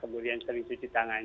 kemudian sering cuci tangan